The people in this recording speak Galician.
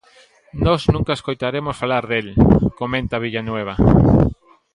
"Nós nunca escoitaramos falar del", comenta Villanueva.